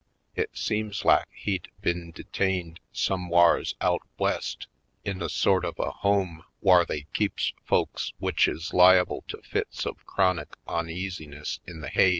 It seems lak he'd been detained somewhars out West in a sort of a home whar they keeps folks w'ich is liable to fits of chronic oneasiness in the haid.